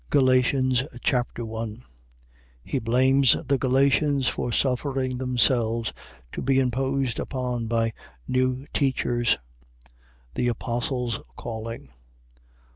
Galatians Chapter 1 He blames the Galatians for suffering themselves to be imposed upon by new teachers. The apostle's calling.